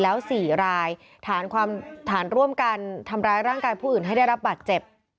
แล้ว๔รายฐานร่วมกันทำร้ายร่างกายผู้อื่นให้ได้รับบาดเจ็บ